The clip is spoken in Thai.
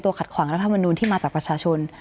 ขัดขวางรัฐมนูลที่มาจากประชาชน